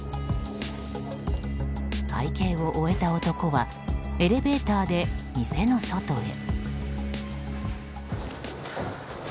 会計を終えた男はエレベーターで店の外へ。